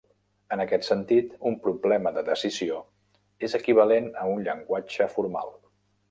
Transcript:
En aquest sentit, un problema de decisió és equivalent a un llenguatge formal.